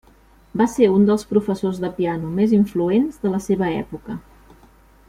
Va ser un dels professors de piano més influents de la seva època.